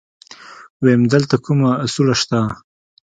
ويم دلته کومه سوړه شته.